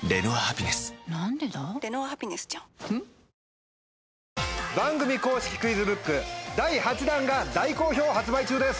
この問題番組公式クイズブック第８弾が大好評発売中です。